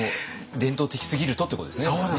伝統的すぎるとっていうことですね。